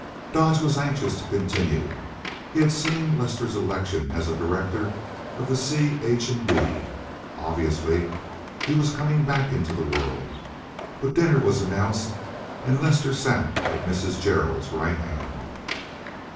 Dodge was anxious to continue. He had seen Lester's election as a director of the C. H. & D. Obviously he was coming back into the world. But dinner was announced and Lester sat at Mrs. Gerald's right hand.